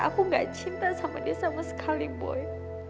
aku gak cinta sama dia sama sekali boy